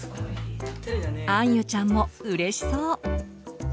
あんゆちゃんもうれしそう。